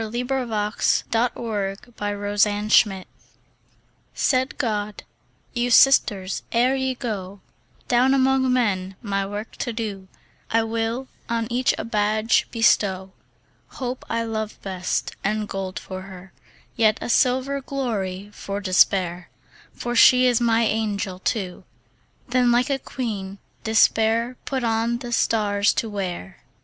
Lascelles Abercrombie Hope and Despair SAID God, "You sisters, ere ye go Down among men, my work to do, I will on each a badge bestow: Hope I love best, and gold for her, Yet a silver glory for Despair, For she is my angel too." Then like a queen, Despair Put on the stars to wear.